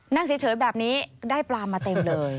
นั่งเฉยแบบนี้ได้ปลามาเต็มเลย